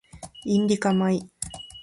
インディカ米